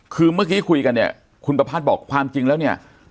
คือเมื่อกี้คุยกันเนี่ยคุณประพาทบอกความจริงแล้วเนี่ย